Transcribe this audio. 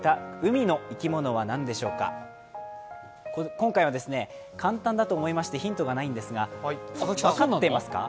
今回は簡単だと思いまして、ヒントがないんですが分かってます？